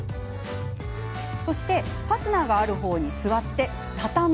そしてファスナーがある方に座り畳む。